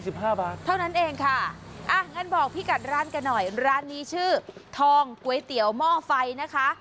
ห้าบาทเท่านั้นเองค่ะอ่ะงั้นบอกพี่กัดร้านกันหน่อยร้านนี้ชื่อทองก๋วยเตี๋ยวหม้อไฟนะคะ